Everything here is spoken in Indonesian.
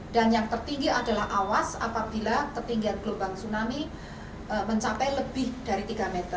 dan yang tertinggi adalah awas apabila ketinggian gelombang tsunami mencapai lebih dari tiga m